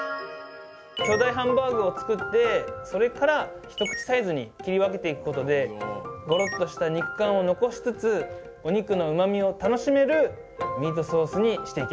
巨大ハンバーグを作ってそれから一口サイズに切り分けていくことでゴロっとした肉感を残しつつお肉のうまみを楽しめるミートソースにしていきます。